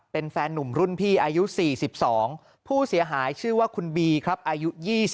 เป็นแฟนหนุ่มรุ่นพี่อายุ๔๒ผู้เสียหายชื่อว่าคุณบีครับอายุ๒๒